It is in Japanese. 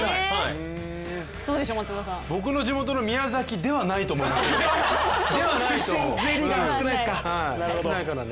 僕の地元の宮崎ではないと思いますけどね。